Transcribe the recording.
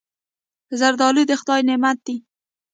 زردالو د خدای نعمت دی.